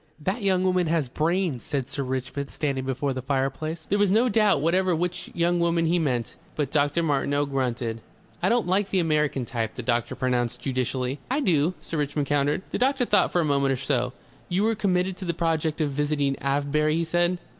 "That young woman has brains," said Sir Richmond, standing before the fireplace. There was no doubt whatever which young woman he meant. But Dr. Martineau grunted. "I don't like the American type," the doctor pronounced judicially. "I do," Sir Richmond countered. The doctor thought for a moment or so. "You are committed to the project of visiting Avebury?" he said.